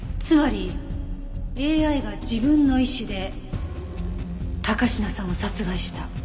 つまりＡＩが自分の意思で高階さんを殺害した。